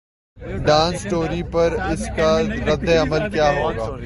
Dawn story پر اس کا ردعمل کیا ہو گا؟